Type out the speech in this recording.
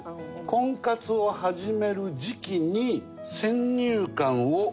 婚活を始める時期に先入観を持つ方。